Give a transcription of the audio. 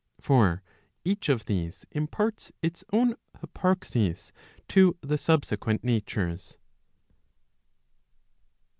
1 For each of these imparts its own hyparxis to the subsequent natures.